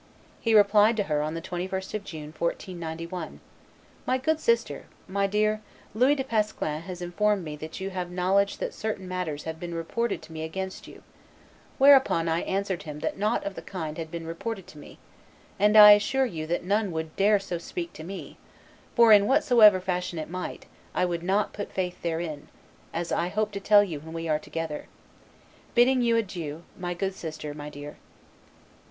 He replied to her on the 21st of June, 1491: "My good sister, my dear, Louis de Pesclins has informed me that you have knowledge that certain matters have been reported to me against you; whereupon I answered him that nought of the kind had been reported to me; and I assure you that none would dare so to speak to me; for, in whatsoever fashion it might, I would not put faith therein, as I hope to tell you when we are together, bidding you adieu, my good sister, my dear."